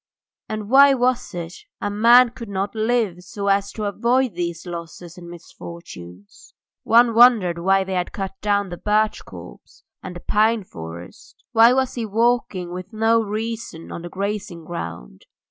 And why was it a man could not live so as to avoid these losses and misfortunes? One wondered why they had cut down the birch copse and the pine forest. Why was he walking with no reason on the grazing ground?